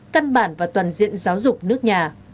căn bản và toàn diện giáo dục nước nhà